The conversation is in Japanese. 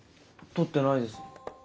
取ってないです。